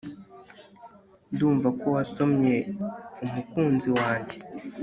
Ndumva ko wasomye umukunzi wanjye